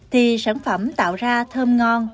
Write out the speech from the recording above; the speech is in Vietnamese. thì sản phẩm tạo ra thơm ngon